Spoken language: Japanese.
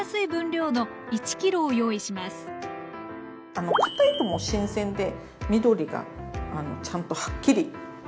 あの堅いともう新鮮で緑がちゃんとはっきり。